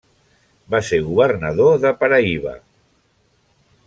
Va ser Governador de Paraíba.